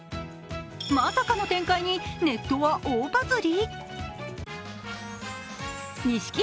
まさかの展開にネットは大バズり。